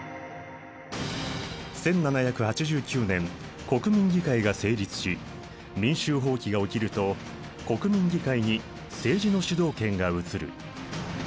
１７８９年国民議会が成立し民衆蜂起が起きると国民議会に政治の主導権が移る。